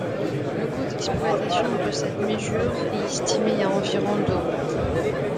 Le coût d’exploitation de cette mesure est estimé à environ d'euros.